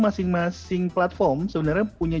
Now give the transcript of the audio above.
masing masing platform sebenarnya punya